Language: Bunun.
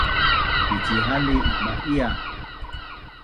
Picihali ikma’ia